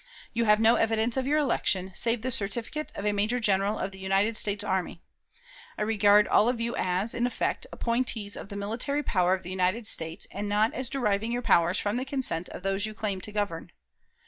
You have no evidence of your election, save the certificate of a major general of the United States Army. I regard all of you as, in effect, appointees of the military power of the United States, and not as deriving your powers from the consent of those you claim to govern.